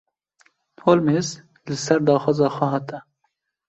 Holmes: Li ser daxwaza xweha te.